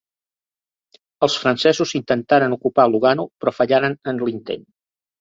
Els francesos intentaren ocupar Lugano, però fallaren en l'intent.